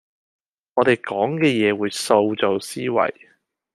我地講嘅嘢會塑造思想